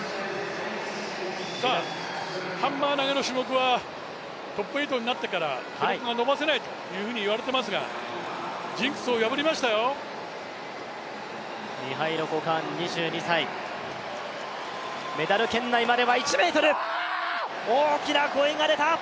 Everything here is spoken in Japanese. ハンマー投の種目はトップ８になってから記録が伸ばせないというふうに言われてますがミハイロ・コカーン２２歳、メダル圏内までは１ｍ、大きな声が出た。